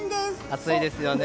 暑いですよね。